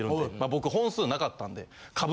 僕本数なかったんで。